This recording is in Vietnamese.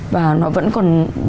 và nó vẫn còn